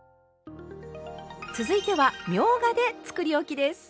続いてはみょうがでつくりおきです！